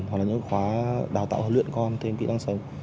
hoặc là những khóa đào tạo huấn luyện con thêm kỹ năng sống